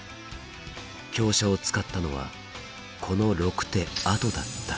香車を使ったのはこの６手あとだった。